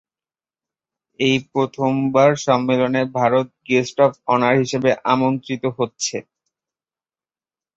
এই প্রথমবার সম্মেলনে ভারত গেস্ট অফ অনার হিসেবে আমন্ত্রিত হচ্ছে।